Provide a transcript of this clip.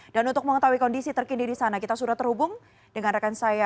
dan untuk mengetahui kondisi terkini di sana kita sudah terhubung dengan rekan saya